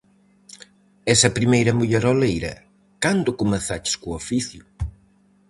Es a primeira muller oleira, cando comezaches co oficio?